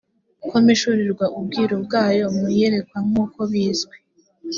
ko mpishurirwa ubwiru bwayo mu iyerekwa nk uko bizwi